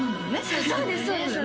そうです